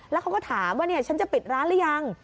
แล้วเขาก็ถามว่าฉันจะปิดร้านหรือยัง